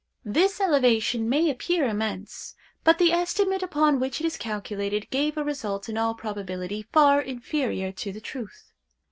This elevation may appear immense, but the estimate upon which it is calculated gave a result in all probability far inferior to the truth.